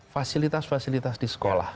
fasilitas fasilitas di sekolah